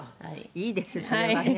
いいですねそれはね。